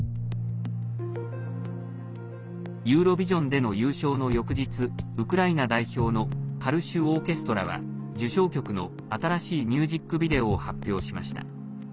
ユーロビジョンでの優勝の翌日ウクライナ代表のカルシュ・オーケストラは受賞曲の新しいミュージックビデオを発表しました。